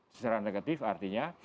secara negatif artinya